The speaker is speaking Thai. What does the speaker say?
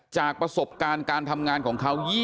จากประสบการณ์การทำงานของเขา